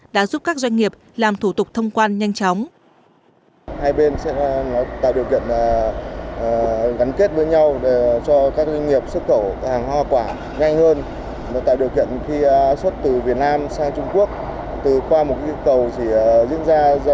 đã giúp các doanh nghiệp làm thủ tục thông quan nhanh chóng